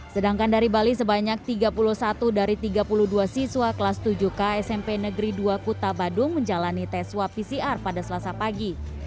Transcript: sedangkan dari bali sebanyak tiga puluh satu dari tiga puluh dua siswa kelas tujuh k smp negeri dua kuta badung menjalani tes swab pcr pada selasa pagi